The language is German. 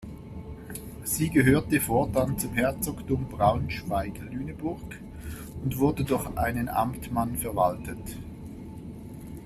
Sie gehörte fortan zum Herzogtum Braunschweig-Lüneburg und wurde durch einen Amtmann verwaltet.